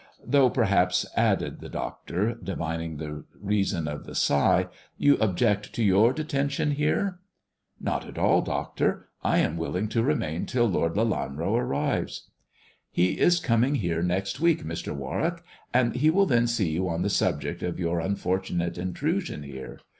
Though, perhaps," added the doctor, divining the reason of the sigh, " you object to your detention here." "Not at all, doctor. I am willing to remain till Lord Lelanro arrives." "He is coming here next week, Mr. Warwick, and he will then see you on the subject of your unfortunate intrusion here.